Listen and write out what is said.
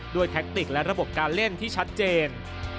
แท็กติกและระบบการเล่นที่ชัดเจน